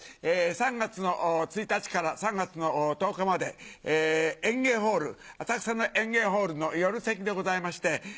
３月の１日から３月の１０日まで演芸ホール浅草の演芸ホールの夜席でございまして。